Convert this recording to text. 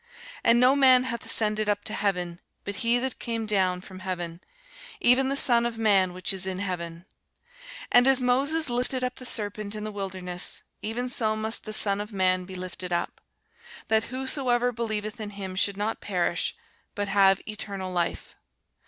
And no man hath ascended up to heaven, but he that came down from heaven, even the Son of man which is in heaven. And as Moses lifted up the serpent in the wilderness, even so must the Son of man be lifted up: that whosoever believeth in him should not perish, but have eternal life.